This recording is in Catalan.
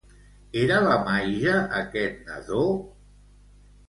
Era la Maija aquest nadó?